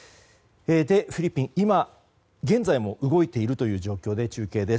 フィリピンでは今現在も動いている状況で中継です。